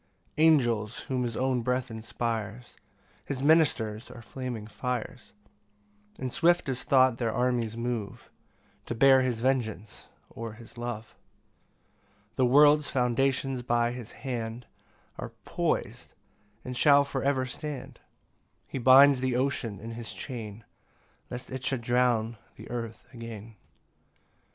3 Angels, whom his own breath inspires, His ministers are flaming fires; And swift as thought their armies move To bear his vengeance, or his love. 4 The world's foundations by his hand Are pois'd, and shall for ever stand; He binds the ocean in his chain, Lest it should drown the earth again.